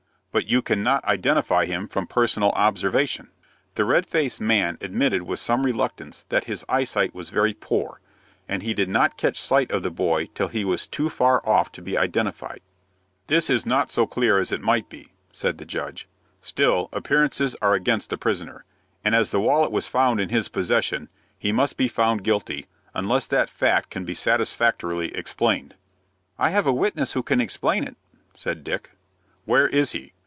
"But you cannot identify him from personal observation?" The red faced man admitted with some reluctance that his eyesight was very poor, and he did not catch sight of the boy till he was too far off to be identified. "This is not so clear as it might be," said the judge. "Still, appearances are against the prisoner, and as the wallet was found in his possession, he must be found guilty, unless that fact can be satisfactorily explained." "I have a witness who can explain it," said Dick. "Where is he?"